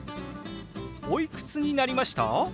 おいくつになりました？